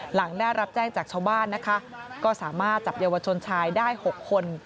หลังได้รับแจ้งจากชาวบ้านนะคะก็สามารถจับเยาวชนชายได้๖คน